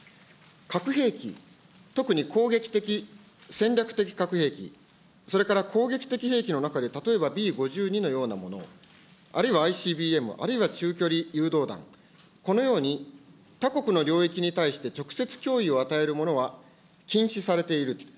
核兵器、特に攻撃的、戦略的核兵器、それから攻撃的兵器の中で、例えばＢ５２のようなもの、あるいはＩＣＢＭ、あるいは中距離誘導弾、このように他国の領域に対して直接脅威を与えるものは禁止されている